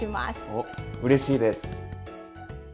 おっうれしいです！